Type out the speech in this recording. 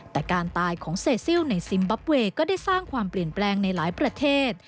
แต่การตายของเซซิลในซิมบับเวย์ก็ได้สร้างความเปลี่ยนแปลงในหลายประเทศ